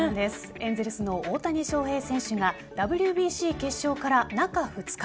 エンゼルスの大谷翔平選手がＷＢＣ決勝から中２日。